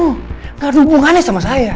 tidak ada hubungannya sama saya